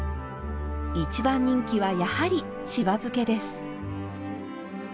いちばん人気はやはりしば漬けです。